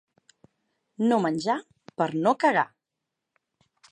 No menjar per no cagar.